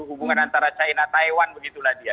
hubungan antara china taiwan begitulah dia